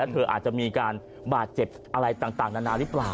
เธออาจจะมีการบาดเจ็บอะไรต่างนานาหรือเปล่า